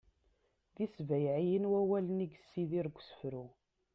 d isbayɛiyen wawalen i yessidir deg usefru